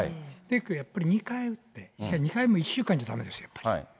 やっぱり、２回打って、それも１週間じゃだめですよ、やっぱり。